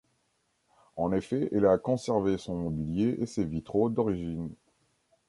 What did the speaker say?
En effet, elle a conservé son mobilier et ses vitraux d’origine.